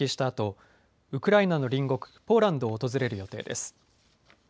あとウクライナの隣国ポーランドを訪れる予定です。